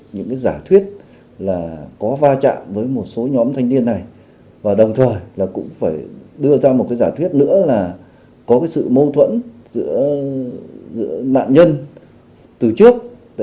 những cái giả thuyết là có va chạm với một số nhóm thanh niên này và đồng thời là cũng phải đưa ra một cái giả thuyết nữa là có cái sự mâu thuẫn giữa nạn nhân từ trước